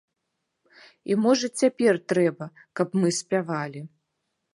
І можа цяпер трэба, каб мы спявалі.